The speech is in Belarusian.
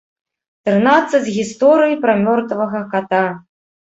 Трынаццаць гісторый пра мёртвага ката.